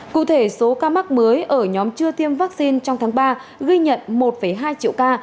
cụ thể số ca mắc mới ở nhóm chưa tiêm vaccine trong tháng ba ghi nhận một hai triệu ca